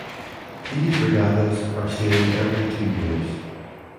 These regattas are sailed every two years.